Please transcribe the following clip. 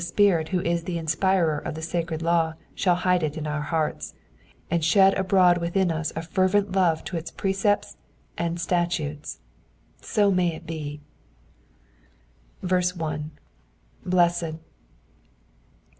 SpirU who is the Inspirer of the sacred law shaU hide it in our hearts, and shed abroad within us a fervent tove to Us precepis and statutes, SSo may it be, 1. *'*' Blessed.